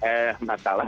eh gak salah